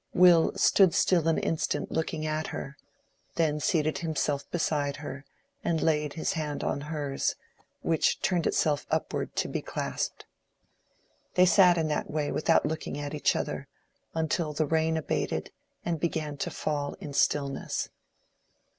Will stood still an instant looking at her, then seated himself beside her, and laid his hand on hers, which turned itself upward to be clasped. They sat in that way without looking at each other, until the rain abated and began to fall in stillness.